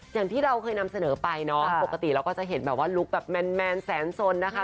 อย่างที่เราเคยนำเสนอไปเนาะปกติเราก็จะเห็นแบบว่าลุคแบบแมนแสนสนนะคะ